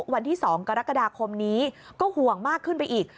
วันที่๒กรกฎาคมนี้ก็ห่วงมากขึ้นไปอีก